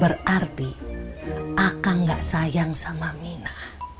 berarti akan gak sayang sama mirna